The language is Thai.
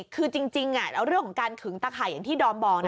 คือจริงแล้วเรื่องของการขึงตะไข่อย่างที่ดอมบอก